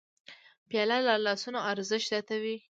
پیاله د لاسونو ارزښت زیاتوي.